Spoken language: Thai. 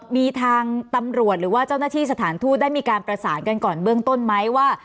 มีทางตำรวจหรือว่าเจ้าหน้าที่สถานทูตได้มีการประสานกันก่อนเบื้องต้นไหมว่า